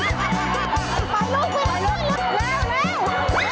เร็ว